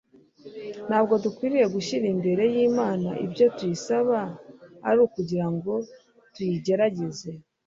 Ntabwo dukwiriye gushyira imbere y'Imana ibyo tuyisaba ari ukugira ngo tuyigerageze,